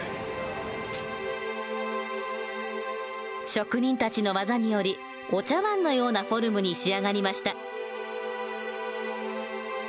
職人たちの技によりお茶碗のようなフォルムに仕上がりました。